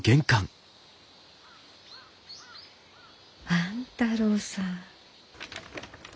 万太郎さん。